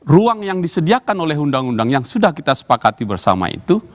ruang yang disediakan oleh undang undang yang sudah kita sepakati bersama itu